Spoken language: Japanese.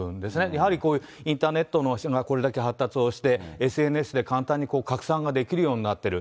やはりこういうインターネットがこれだけ発達をして、ＳＮＳで簡単に拡散ができるようになってる。